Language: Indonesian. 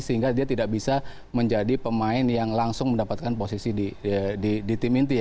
sehingga dia tidak bisa menjadi pemain yang langsung mendapatkan posisi di tim inti